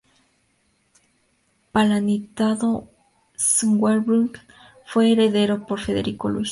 Palatinado-Zweibrücken fue heredado por Federico Luis.